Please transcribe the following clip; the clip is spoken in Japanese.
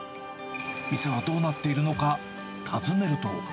店はどうなっているのか、訪ねると。